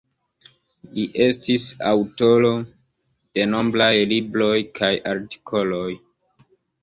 Li estis aŭtoro de nombraj libroj kaj artikoloj.